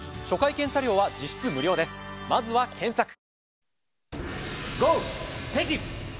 初回検査料は実質無料ですまずは検索。